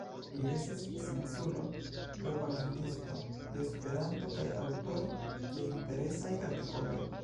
Li estis scienculo, propagandisto de Esperanto kaj aŭtoro de interesaj artikoloj.